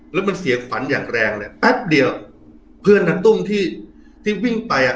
แล้วมันเสียงฝันอย่างแรงเลยแป๊บเดียวเพื่อนนักตุ้มที่ที่วิ่งไปอ่ะ